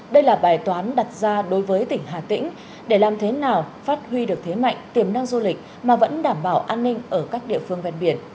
đây là bài toán đặt ra đối với tỉnh hà tĩnh để làm thế nào phát huy được thế mạnh tiềm năng du lịch mà vẫn đảm bảo an ninh ở các địa phương ven biển